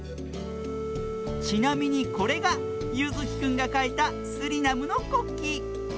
ちなみにこれがゆずきくんがかいたスリナムのこっき。